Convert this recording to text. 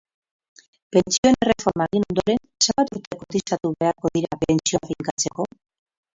Pentsioen erreforma egin ondoren, zenbat urte kotizatu beharko dira pentsioa finkatzeko?